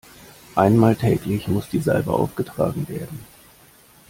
Einmal täglich muss die Salbe aufgetragen werden.